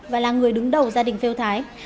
và là người đứng đầu gia đình phiêu thái